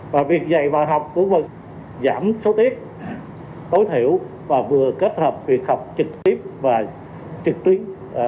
và việc dạy vào học của giảm số tiết tối thiểu và vừa kết hợp việc học trực tiếp và trực tuyến